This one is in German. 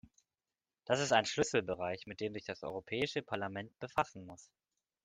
Das ist ein Schlüsselbereich, mit dem sich das Europäische Parlament befassen muss.